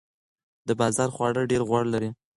د بازار خواړه ډیر غوړ لري.